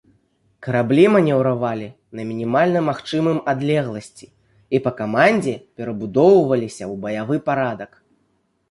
Караблі манеўравалі на мінімальна магчымым адлегласці і па камандзе перабудоўваліся ў баявы парадак.